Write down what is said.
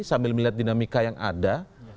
sambil melihat dinamika yang ada